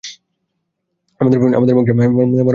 আমাদের বংশে, মরা মানুষকে মারি না!